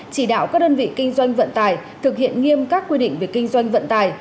chỉ đạo các đơn vị kinh doanh vận tải thực hiện nghiêm các quy định về kinh doanh vận tài